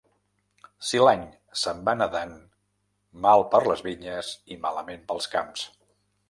Si l'any se'n va nedant, mal per les vinyes i malament pels camps.